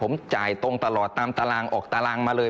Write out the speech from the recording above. ผมจ่ายตรงตลอดตามตารางออกตารางมาเลย